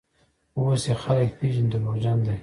اوس یې خلک پېژني: دروغجن دی.